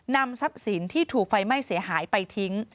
นำทรัพย์สินที่ถูกไฟไหม้เสียหายไปทิ้ง